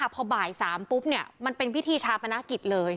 พอบ่าย๓ปุ๊บมันเป็นพิธีชาปนกิจเลย